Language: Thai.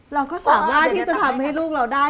เราก็สามารถที่จะทำให้ลูกเราได้